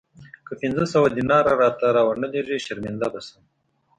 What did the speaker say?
که پنځه سوه دیناره راته را ونه لېږې شرمنده به شم.